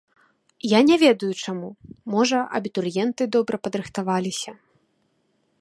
Я не ведаю, чаму, можа, абітурыенты добра падрыхтаваліся.